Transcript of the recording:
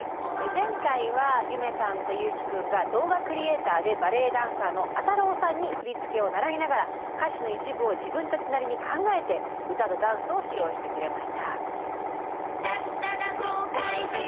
前回は夢さんと優樹くんが動画クリエーターでバレエダンサーのあたろーさんに振り付けを習いながら歌詞の一部を自分たちなりに考えて歌とダンスを披露してくれました。